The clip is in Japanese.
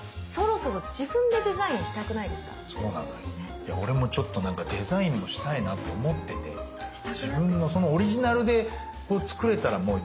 いや俺もちょっとなんかデザインもしたいなと思ってて自分のそのオリジナルで作れたらもう余計愛着湧くしね。